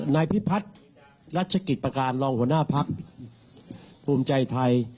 นายพิพัฒน์รัชกิจประการรองหัวหน้าพักภูมิใจไทย